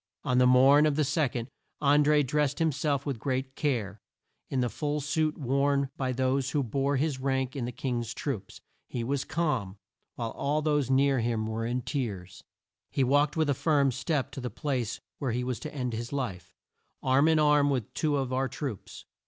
On the morn of the 2d, An dré drest him self with great care, in the full suit worn by those who bore his rank in the King's troops. He was calm, while all those near him were in tears. He walked with a firm step to the place where he was to end his life, arm in arm with two of our troops.